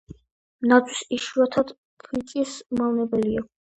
ნაძვის, იშვიათად ფიჭვის მავნებელია.